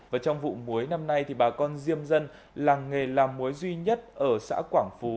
và trong vụ muối năm nay thì bà con diêm dân làng nghề làm muối duy nhất ở xã quảng phú